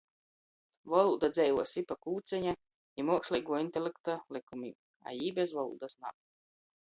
Volūda dzeivuos i pa Kūceņa, i muoksleiguo intelekta lykumim, a jī bez volūdys - nā.